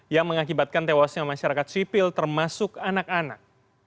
yang mengakibatkan tewasnya masyarakat sipil termasuk anak anak